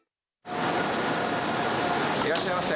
いらっしゃいませ。